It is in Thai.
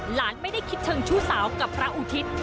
หลานไม่ได้คิดเชิงชู้สาวกับพระอุทิศ